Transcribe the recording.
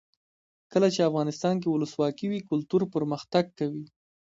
کله چې افغانستان کې ولسواکي وي کلتور پرمختګ کوي.